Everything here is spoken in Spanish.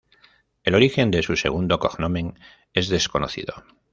El origen de su segundo "cognomen" es desconocido.